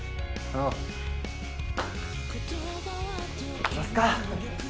行きますか。